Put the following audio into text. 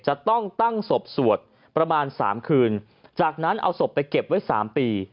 จะต้องตั้งศพสวดประมาณสามคืนจากนั้นเอาศพไปเก็บไว้๓ปี